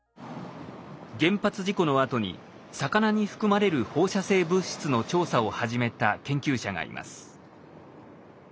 原発事故のあとに魚に含まれる放射性物質の調査を始めた研究者がいます。